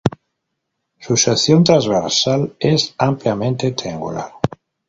Su sección transversal es ampliamente triangular.